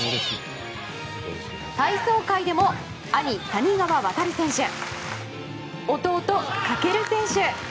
体操界でも兄・谷川航選手弟・翔選手。